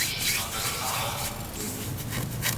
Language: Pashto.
موږ بايد له دې حقيقت څخه سترګې پټې نه کړو.